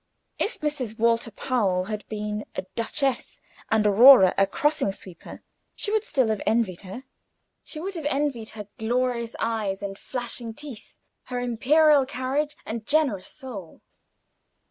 If Mrs. Walter Powell had been a duchess, and Aurora a crossing sweeper, she would still have envied her; she would have envied her glorious eyes and flashing teeth, her imperial carriage and generous soul.